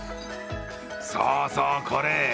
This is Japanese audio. そうそう、これ。